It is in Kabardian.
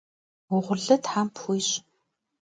Vuğurlı them pxuiş!